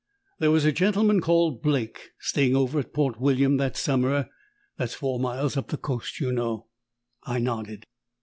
There was a gentleman called Blake staying over at Port William that summer that's four miles up the coast, you know." I nodded.